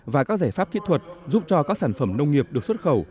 và các giải pháp kỹ thuật giúp cho các sản phẩm nông nghiệp được xuất khẩu